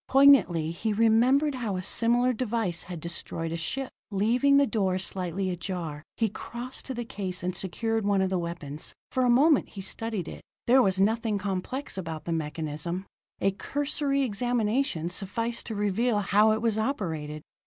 Poignantly he remembered how a similar device had destroyed a ship. Leaving the door slightly ajar, he crossed to the case and secured one of the weapons. For a moment he studied it. There was nothing complex about the mechanism; a cursory examination sufficed to reveal how it was operated.